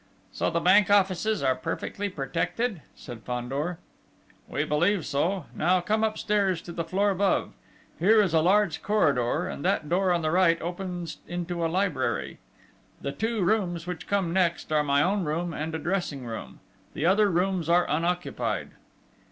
"So the Bank offices are perfectly protected?" said Fandor. "We believe so. Now, come upstairs to the floor above!... Here is a large corridor, and that door, on the right, opens into a library. The two rooms which come next, are my own room and a dressing room. The other rooms are unoccupied."